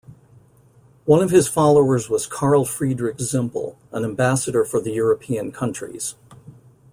One of his followers was Carl-Friedrich Zimpel, an ambassador for the European countries.